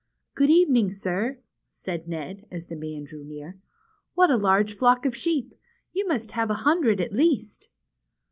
" Good evening, sir," said Ned, as the man drew near. "What a large flock of sheep. You must have a hundred at least."